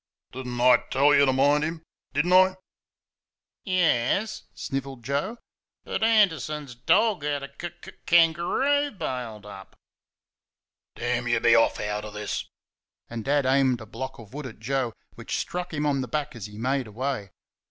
"Did n't I tell you to mind him? Did n' " "Yes," snivelled Joe; "but Anderson's dog had a k k k angaroo bailed up." "DAMN you, be off out of this!" And Dad aimed a block of wood at Joe which struck him on the back as he made away.